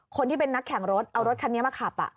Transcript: คนที่เป็นนักแข่งรถเอารถคันนี้มาขับ